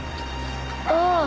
ああ。